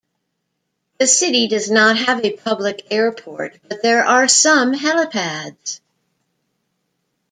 The city does not have a public airport, but there are some helipads.